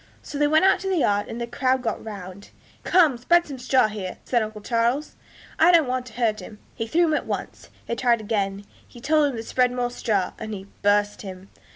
So they went out to the yard, and a crowd got round. 'Come, spread some straw here,' said uncle Charles, 'I don't want to hurt him.' He threw him at once. They tried again; he told them to spread more straw, and he 'burst' him.